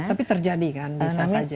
tapi terjadi kan bisa saja